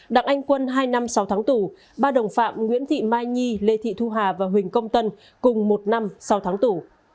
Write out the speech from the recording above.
đặng anh quân hai năm sáu tháng tù ba đồng phạm nguyễn thị mai nhi lê thị thu hà và huỳnh công tân cùng một năm sau tháng tù